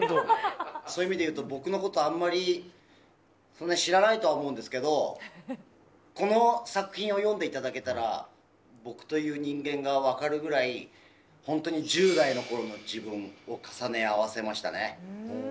そういう意味でいうと、僕のことあんまり、そんな知らないとは思うんですけど、この作品を読んでいただけたら、僕という人間が分かるぐらい、本当に１０代のころの自分を重ね合わせましたね。